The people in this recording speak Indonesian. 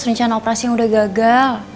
rencana operasi yang udah gagal